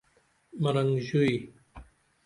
مرنگ ژوئی